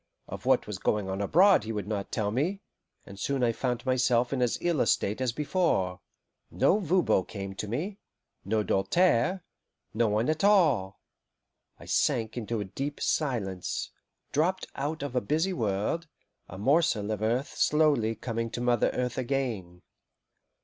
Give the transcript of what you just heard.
Of what was going on abroad he would not tell me, and soon I found myself in as ill a state as before. No Voban came to me, no Doltaire, no one at all. I sank into a deep silence, dropped out of a busy world, a morsel of earth slowly coming to Mother Earth again.